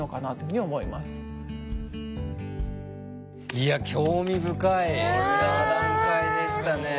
いや興味深い座談会でしたね。